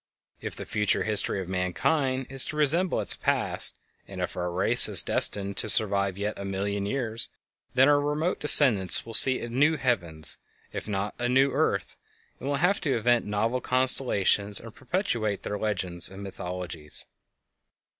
If the future history of mankind is to resemble its past and if our race is destined to survive yet a million years, then our remote descendents will see a "new heavens" if not a "new earth," and will have to invent novel constellations to perpetuate their legends and mythologies.